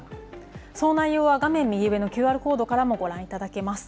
その内容は画面右上のＱＲコードからもご覧いただけます。